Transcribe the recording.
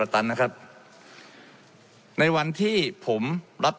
และมีผลกระทบไปทุกสาขาอาชีพชาติ